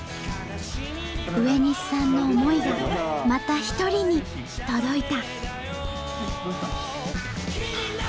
植西さんの思いがまた一人に届いた。